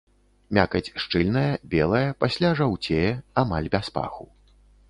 Мякаць шчыльная, белая, пасля жаўцее, амаль без паху.